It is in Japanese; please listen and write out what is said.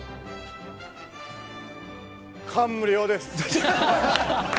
感無量です。